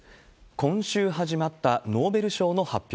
今週始まったノーベル賞の発表。